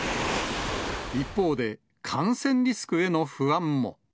一方で、感染リスクへの不安も。